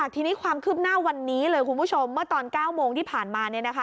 ทีนี้ความคืบหน้าวันนี้เลยคุณผู้ชมเมื่อตอน๙โมงที่ผ่านมา